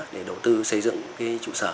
để đầu tư xây dựng chủ sở